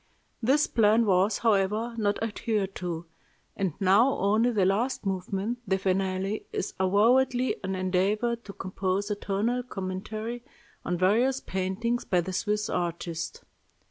This plan was, however, not adhered to, and now only the last movement the finale is avowedly an endeavor to compose a tonal commentary on various paintings by the Swiss artist.